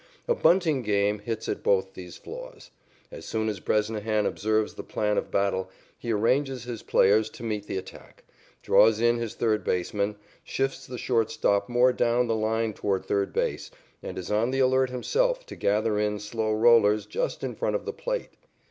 A bunting game hits at both these flaws. As soon as Bresnahan observes the plan of battle, he arranges his players to meet the attack; draws in his third baseman, shifts the shortstop more down the line toward third base, and is on the alert himself to gather in slow rollers just in front of the plate.